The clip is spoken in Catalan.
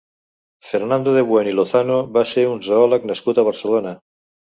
Fernando de Buen i Lozano va ser un zoòleg nascut a Barcelona.